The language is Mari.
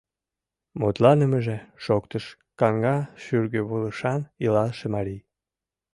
— Мутланымыже, — шоктыш каҥга шӱргывылышан илалше марий.